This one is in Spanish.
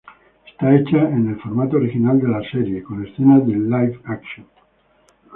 Esta Hecha en el formato original de la serie con escenas de Live-Action.